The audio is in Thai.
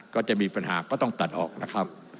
ก็จะมีปัญหาก็ต้องตัดออกนะครับ